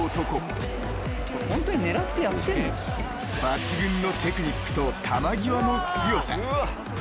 ［抜群のテクニックと球際の強さ］